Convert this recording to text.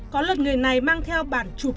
có lần người này mang theo bản chuông